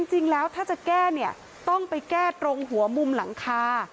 จริงแล้วถ้าจะแก้เนี่ยต้องไปแก้ตรงหัวมุมหลังคา